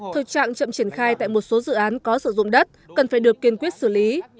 thực trạng chậm triển khai tại một số dự án có sử dụng đất cần phải được kiên quyết xử lý